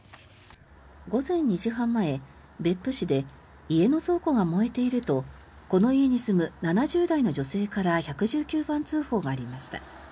午前２時半前、別府市で家の倉庫が燃えているとこの家に住む７０代の女性から１１９番通報がありました。